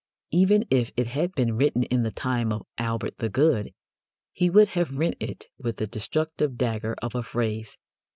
Even if it had been written in the time of Albert the Good, he would have rent it with the destructive dagger of a phrase.